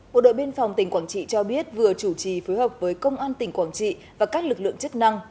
bộ đội biên phòng tỉnh quảng trị cho biết vừa chủ trì phối hợp với công an tỉnh quảng trị và các lực lượng chức năng